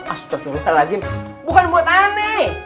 astagfirullahaladzim bukan buat ani